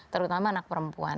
terutama anak perempuan